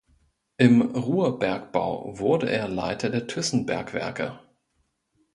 Im Ruhrbergbau wurde er Leiter der Thyssen-Bergwerke.